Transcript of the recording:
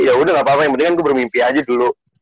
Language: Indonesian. tapi itu gak apa apa yang penting kan gua bermimpi aja dulu